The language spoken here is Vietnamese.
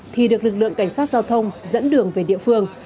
thì được lực lượng cảnh sát giao thông dẫn đường về địa phương